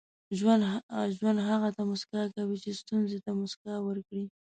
• ژوند هغه ته موسکا کوي چې ستونزې ته موسکا ورکړي.